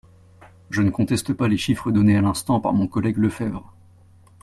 Je ne conteste pas les chiffres donnés à l’instant par mon collègue Lefebvre.